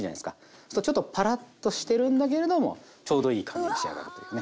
そうするとちょっとパラッとしてるんだけれどもちょうどいい感じに仕上がるというね。